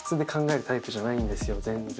全然。